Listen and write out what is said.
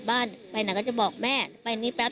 แล้วแม่ก็คิดว่าขอจะกลับเข้ามาแต่ก็ไม่รู้ว่าเพื่อนเขามารับ